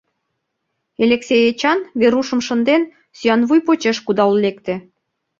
Элексей Эчан, Верушым шынден, сӱанвуй почеш кудал лекте.